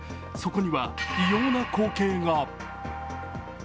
そこには異様な光景が。